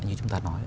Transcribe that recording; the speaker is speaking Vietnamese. như chúng ta nói